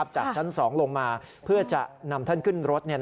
จากชั้น๒ลงมาเพื่อจะนำท่านขึ้นรถ